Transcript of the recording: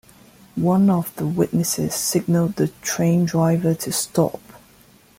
One of the witnesses signalled the train driver to stop.